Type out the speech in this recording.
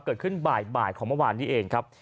เกิดขึ้นบ่ายของเมื่อวานนี้เองครับ